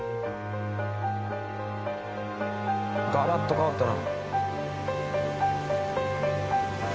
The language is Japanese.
ガラッと変わったな。